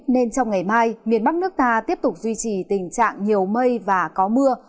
nên trong ngày mai miền bắc nước ta tiếp tục duy trì tình trạng nhiều mây và có mưa